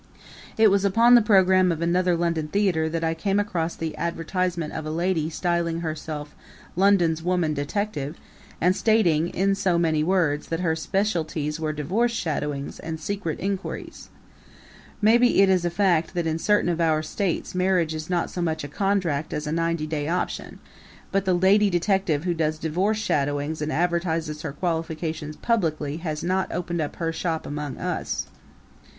It was upon the program of another London theater that I came across the advertisement of a lady styling herself "London's Woman Detective" and stating, in so many words, that her specialties were "Divorce Shadowings" and "Secret Inquiries." Maybe it is a fact that in certain of our states marriage is not so much a contract as a ninety day option, but the lady detective who does divorce shadowing and advertises her qualifications publicly has not opened up her shop among us.